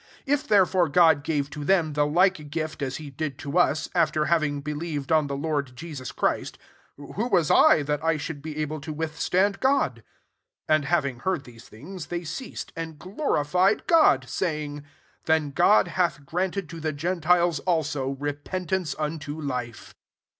17 If therefore God gave to them the like gift as he iid to us, after having believ ed on the Lord Jesus Christ; who was I, that I should be able to withstand God?" 18 \nd having heard these things, iiey ceased, and glorified God, saying, « Then God hath grant id to the gentiles also, repent ince unto life."